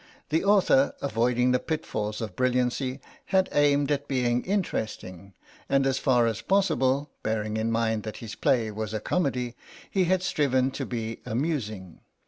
The author, avoiding the pitfall of brilliancy, had aimed at being interesting and as far as possible, bearing in mind that his play was a comedy, he had striven to be amusing.